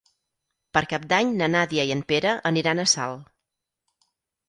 Per Cap d'Any na Nàdia i en Pere aniran a Salt.